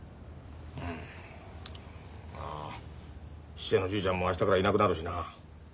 質屋のじいちゃんも明日からいなくなるしな。